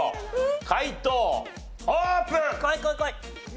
解答オープン！